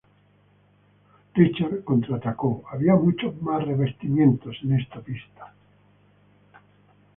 Richards contraatacó: "Había mucho más revestimientos en esta pista.